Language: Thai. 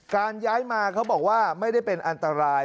การย้ายมาเขาบอกว่าไม่ได้เป็นอันตราย